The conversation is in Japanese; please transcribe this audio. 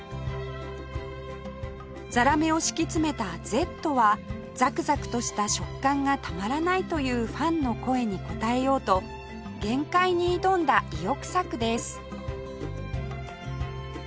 ザラメを敷き詰めた「Ｚ」はザクザクとした食感がたまらないというファンの声に応えようと限界に挑んだ意欲作です